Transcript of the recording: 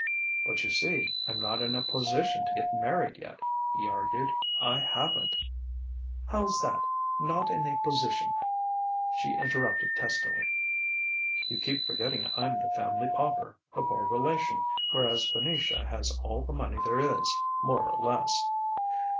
"But, you see, I'm not in a position to get married yet," he argued. "I haven't " "How's that 'not in a position'?" she interrupted testily. "You keep forgetting I'm the family pauper, the poor relation, whereas Venetia has all the money there is, more or less."